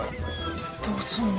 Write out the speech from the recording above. どうするの？